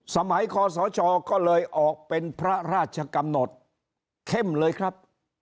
คอสชก็เลยออกเป็นพระราชกำหนดเข้มเลยครับ